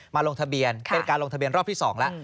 ลงทะเบียนเป็นการลงทะเบียนรอบที่๒แล้ว